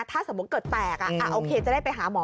ถ้าสมมุติเกิดแตกโอเคจะได้ไปหาหมอ